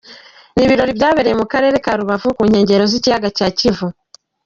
Ni ibirori byabreye mu karere ka Rubavu ku nkengero z'ikiyaga cya Kivu.